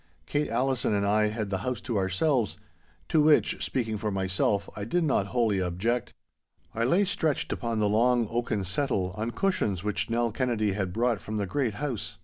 Kate Allison and I had the house to ourselves—to which, speaking for myself, I did not wholly object. I lay stretched upon the long oaken settle, on cushions which Nell Kennedy had brought from the great house.